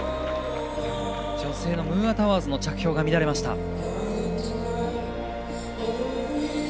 女性のムーアタワーズの着氷が乱れました。